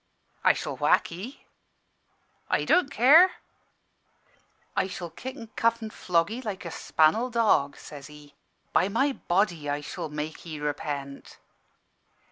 "'I shall whack 'ee.' "'I don't care.' "'I shall kick an' cuff an' flog 'ee like a span'el dog,' says he: 'by my body! I shall make 'ee repent.'